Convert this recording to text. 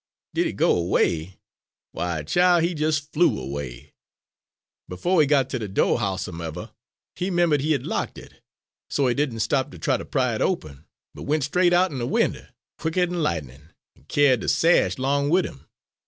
"Did he go 'way! Why, chile, he jes' flew away! Befo' he got ter de do', howsomevuh, he 'membered he had locked it, so he didn' stop ter try ter open it, but went straight out'n a winder, quicker'n lightnin', an' kyared de sash 'long wid 'im.